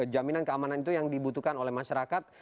jaminan keamanan itu yang dibutuhkan oleh masyarakat